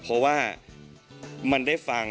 เพราะว่ามันได้ฟัง